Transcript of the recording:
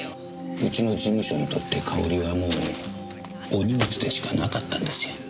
うちの事務所にとってかおりはもうお荷物でしかなかったんですよ。